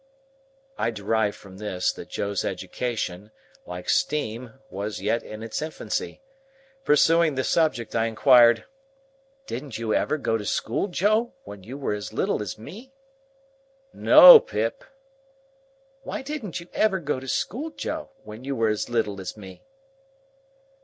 I derived from this, that Joe's education, like Steam, was yet in its infancy. Pursuing the subject, I inquired,— "Didn't you ever go to school, Joe, when you were as little as me?" "No, Pip." "Why didn't you ever go to school, Joe, when you were as little as me?"